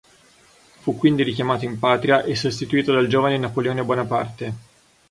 Fu quindi richiamato in patria e sostituito dal giovane Napoleone Bonaparte.